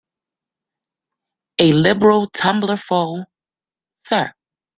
A liberal tumblerful, sir.